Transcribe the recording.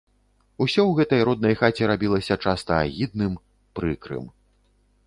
Усё ў гэтай роднай хаце рабілася часта агідным, прыкрым.